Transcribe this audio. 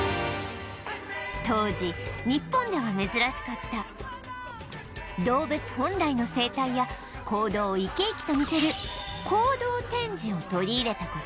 当時日本では珍しかった動物本来の生態や行動を生き生きと見せる行動展示を取り入れた事